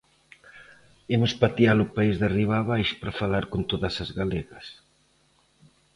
Imos patear o país de arriba abaixo para falar con todas as galegas.